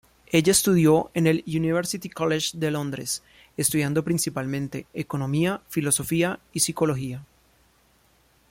Ella estudió en el University College de Londres estudiando principalmente economía, filosofía y psicología.